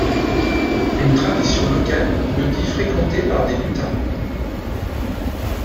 Une tradition locale le dit fréquenté par des lutins.